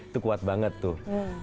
cuma cepat banget tuh